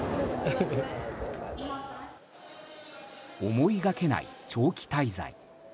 思いがけない長期滞在。